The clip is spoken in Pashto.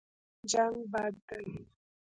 جنګ بد دی.